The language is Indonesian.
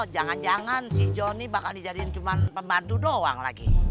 jangan jangan si joni bakal dijadiin cuma pembantu doang lagi